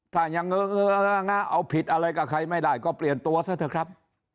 ถ้ายังเอาผิดอะไรกับใครไม่ได้ก็เปลี่ยนตัวซะเถอะครับ